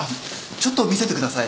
ちょっと見せてください。